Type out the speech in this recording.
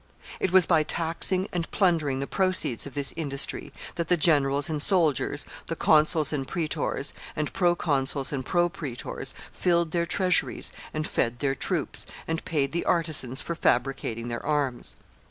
It was by taxing and plundering the proceeds of this industry that the generals and soldiers, the consuls and praetors, and proconsuls and propraetors, filled their treasuries, and fed their troops, and paid the artisans for fabricating their arms.